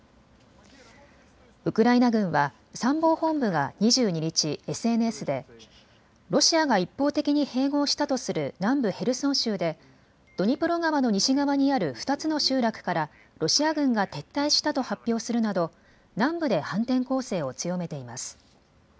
ウクライナ軍は参謀本部が２２日、ＳＮＳでロシアが一方的に併合したとする南部ヘルソン州でドニプロ川の西側にある２つの集落からロシア軍が撤退したと発表するなど南部で反転攻勢を強めています。